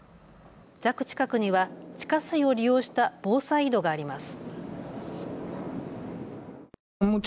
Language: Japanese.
自宅近くには地下水を利用した防災井戸があります。